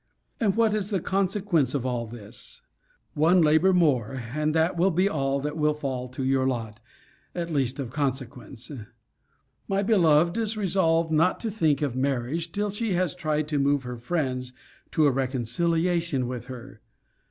And what is the consequence of all this: one labour more, and that will be all that will fall to your lot; at least, of consequence. My beloved is resolved not to think of marriage till she has tried to move her friends to a reconciliation with her.